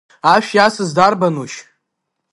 Ашә иасыз дарбанушь?